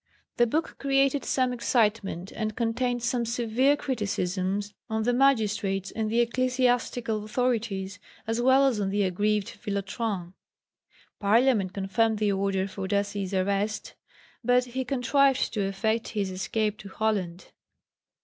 The book created some excitement, and contained some severe criticisms on the magistrates and the ecclesiastical authorities as well as on the aggrieved Villotran. Parliament confirmed the order for Dassy's arrest, but he contrived to effect his escape to Holland.